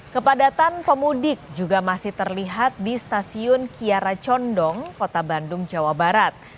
kepadatan pemudik juga masih terlihat di stasiun kiara condong kota bandung jawa barat